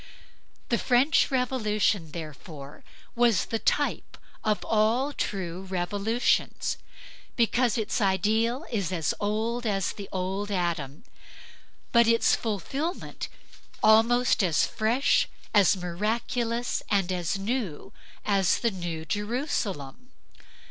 The French Revolution, therefore, is the type of all true revolutions, because its ideal is as old as the Old Adam, but its fulfilment almost as fresh, as miraculous, and as new as the New Jerusalem.